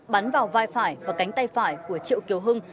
bắn vào vai phải và cánh tay phải của triệu kiều hưng